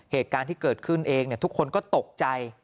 เหตุการณ์ที่เกิดขึ้นเองทุกคนก็ตกใจ